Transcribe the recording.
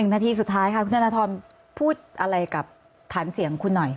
นาทีสุดท้ายค่ะคุณธนทรพูดอะไรกับฐานเสียงคุณหน่อย